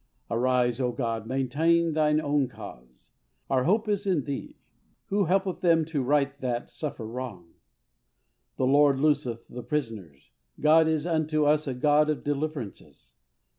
Arise, O God, maintain Thine own cause! Our hope is in Thee, Who helpeth them to right that suffer wrong. The Lord looseth the prisoners. God is unto us a God of deliverances.